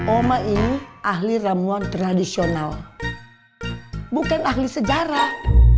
oma ini ahli ramuan tradisional bukan ahli sejarah